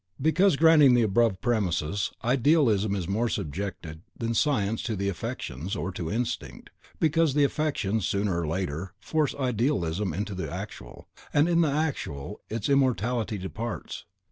Because, granting the above premises, Idealism is more subjected than Science to the Affections, or to Instinct, because the Affections, sooner or later, force Idealism into the Actual, and in the Actual its immortality departs.